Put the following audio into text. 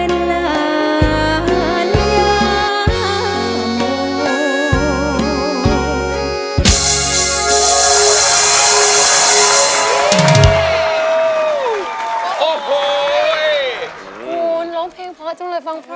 จะอยู่ในสันเป็นลาลยามโม